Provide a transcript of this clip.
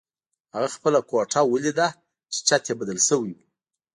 هغه خپله کوټه ولیده چې چت یې بدل شوی و